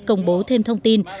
công bố thêm thông tin